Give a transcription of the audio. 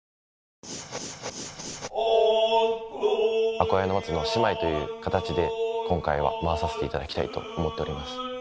『阿古屋松』の仕舞という形で今回は舞わさせていただきたいと思っております。